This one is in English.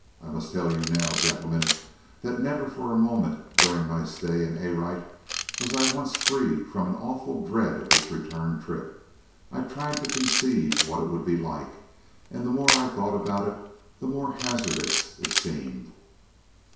I must tell you now, gentlemen, that never for a moment during my stay in Arite was I once free from an awful dread of this return trip. I tried to conceive what it would be like, and the more I thought about it, the more hazardous it seemed.